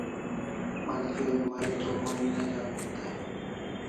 Malgeri mai to mon ne jonin dai